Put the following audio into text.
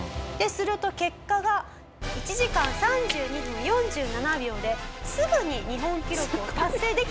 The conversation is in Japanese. すると結果が１時間３２分４７秒ですぐに日本記録を達成できたんです。